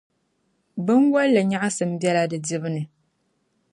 Binwalli nyaɣisim bela di dibu ni.